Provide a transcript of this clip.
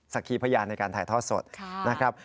สักทีพยานในการถ่ายท่อสดนะครับ